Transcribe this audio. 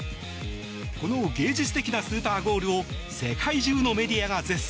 この芸術的なスーパーゴールを世界中のメディアが絶賛。